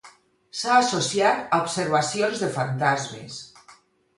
S'ha associat a observacions de fantasmes.